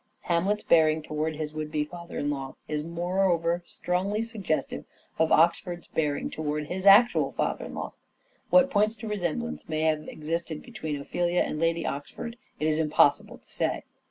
Hamlet's bearing towards his would be father in law is moreover strongly suggestive of Oxford's bearing towards his actual father in law. What points of resemblance may have existed between Ophelia and Lady Oxford it is impossible to say.